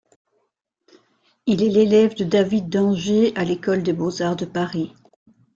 Il est l'élève de David d'Angers à École des beaux-arts de Paris.